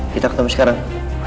kita ketemu sekarang